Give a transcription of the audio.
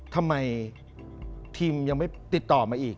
ทำไมทีมยังไม่ติดต่อมาอีก